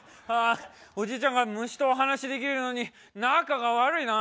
おじいちゃんが虫とお話しできるのに仲が悪いな。